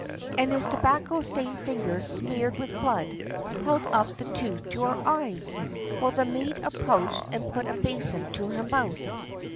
.." And his tobacco stained fingers, smeared with blood, held up the tooth to her eyes, while the maid approached and put a basin to her mouth.